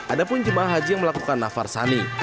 ada pun jemaah haji yang melakukan nafar sani